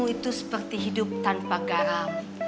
itu seperti hidup tanpa garam